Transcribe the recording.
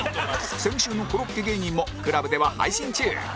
先週のコロッケ芸人も ＣＬＵＢ では配信中